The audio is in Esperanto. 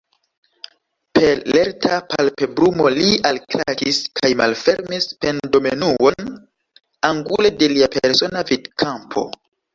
Per lerta palpebrumo li alklakis kaj malfermis pendomenuon angule de lia persona vidkampo.